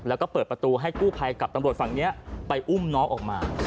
แล้วก็เปิดประตูให้กู้ภัยกับตำรวจฝั่งนี้ไปอุ้มน้องออกมา